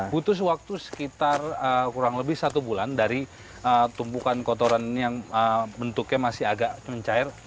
butuh waktu sekitar kurang lebih satu bulan dari tumpukan kotoran yang bentuknya masih agak mencair